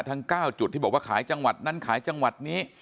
ทั้ง๙จุดที่บอกว่าขายจังหวัดนั้นขายจังหวัดนี้